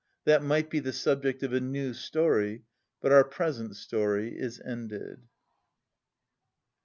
That might be the subject of a new story, but our present story is ended.